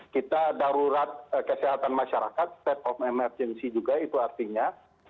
kita darurat kesehatan masyarakat state of emergency ya